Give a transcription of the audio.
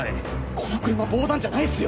この車防弾じゃないっすよ